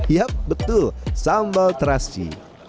yap betul sambal terasci